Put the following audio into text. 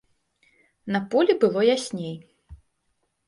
На полі было ясней.